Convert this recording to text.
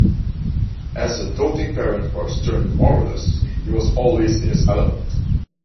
As a doting parent or stern moralist, he was always in his element.